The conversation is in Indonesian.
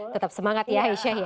tetap semangat ya aisyah ya